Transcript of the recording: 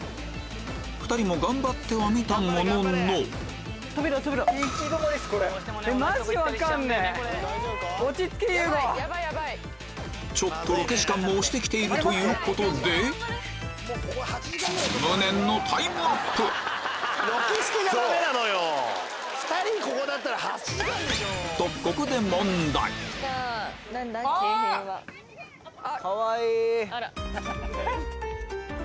２人も頑張ってはみたもののちょっとロケ時間も押してきているということで２人にここだったら８時間でしょ！とここであ！